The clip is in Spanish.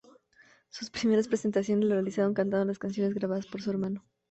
Sus primeras presentaciones las realizaron cantando las canciones grabadas por su hermano.